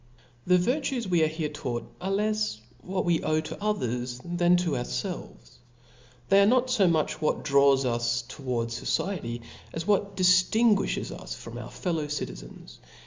The virtues wc are here taught, are lefs what wc owe to others, than to ourfelves , they are not fo much what draws us towards focietv, as what diftinguifhcs us from our fellow citizens.